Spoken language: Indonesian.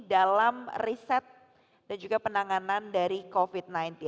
dalam riset dan juga penanganan dari covid sembilan belas